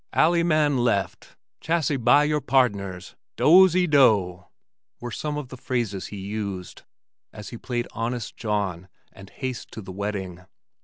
"Ally man left," "Chassay by your pardners," "Dozy do" were some of the phrases he used as he played Honest John and Haste to the Wedding.